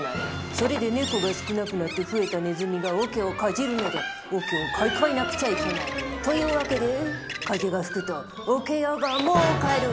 それで猫が少なくなって増えたネズミが桶をかじるので桶を買い替えなくちゃいけない。という訳で風が吹くと桶屋が儲かる。